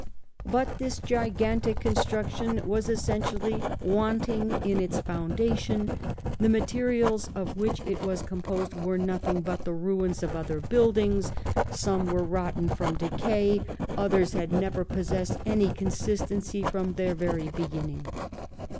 But this gigautic construction was essentially wanting in its foundation ; the materials of which it was composed were nothing but the ruins of other buildings ; some were rotten from decay, others had never possessed any consistency from their very beginning.